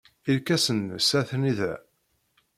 Irkasen-nnes atni da.